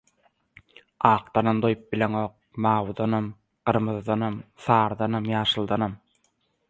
Akdanam doýup bileňok, mawudanam, gyrmyzydanam, sarydanam, ýaşyldanam…